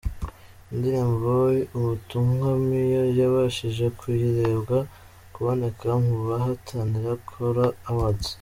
Indirimbo ‘Ubutumwa’ niyo yabashishije Kayirebwa kuboneka mu bahatanira Kora Awards.